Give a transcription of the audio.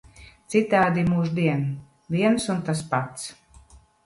Citādi mūždien viens un tas pats.